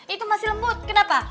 itu masih lembut kenapa